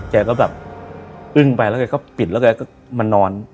แกก็แบบอึ้งไปแล้วแกก็ปิดแล้วแกก็มานอน